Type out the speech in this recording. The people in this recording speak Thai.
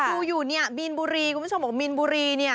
อยู่เนี่ยมีนบุรีคุณผู้ชมบอกมีนบุรีเนี่ย